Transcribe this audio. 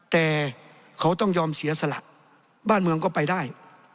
แต่เขาต้องยอมเสียสละบ้านเมืองก็ไปได้